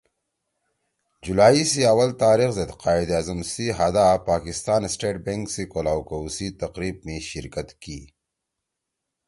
جولائی سی آول تاریخ زید قائداعظم سی ہادا پاکستان سٹیٹ بنک سی کھولاؤ کؤ سی تقریب می شرکت کی